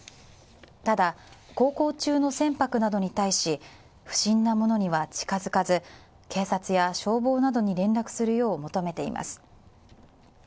ただ、航行中の船舶などに対し、不審なものには近づかず、警察や消防などに連絡するよう求めています。